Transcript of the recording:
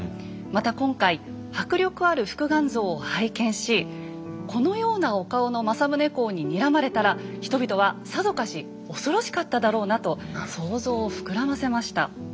また今回迫力ある復顔像を拝見しこのようなお顔の政宗公ににらまれたら人々はさぞかし恐ろしかっただろうなと想像を膨らませました。